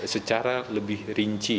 secara lebih rinci